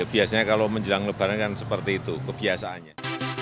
biasanya kalau menjelang lebaran kan seperti itu kebiasaannya